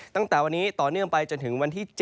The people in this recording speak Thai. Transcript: ตั้งแต่วันนี้ต่อเนื่องไปจนถึงวันที่๗